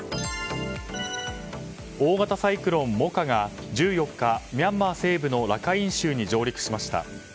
大型サイクロン、モカが１４日ミャンマー西部のラカイン州に上陸しました。